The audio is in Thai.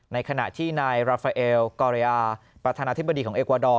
ในขณะที่นายราฟาเอลกอริยาประธานาธิบดีของเอกวาดอร์